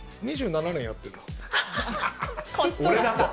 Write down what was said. ２７年やってるんだ。